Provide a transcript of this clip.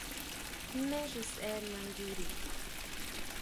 ¿Jmé xi sʼee nanguiri?